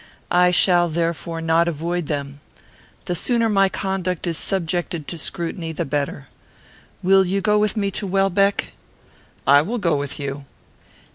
I shall, therefore, not avoid them. The sooner my conduct is subjected to scrutiny, the better. Will you go with me to Welbeck?" "I will go with you."